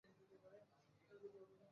কোন কোন কবিতার একাধিক অনুবাদ আমরা দেখিয়াছি।